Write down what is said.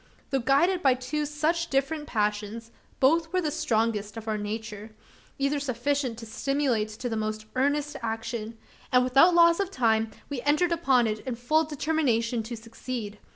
Though guided by two such different passions, both were of the strongest of our nature either sufficient to stimulate to the most earnest action; and without loss of time, we entered upon it in full determination to succeed.